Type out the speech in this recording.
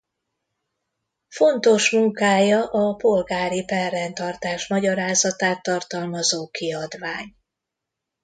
Fontos munkája a polgári perrendtartás magyarázatát tartalmazó kiadvány.